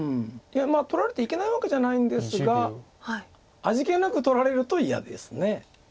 いや取られていけないわけじゃないんですが味気なく取られると嫌です。